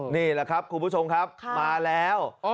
นี่แหละครับคุณผู้ชมครับมาแล้ว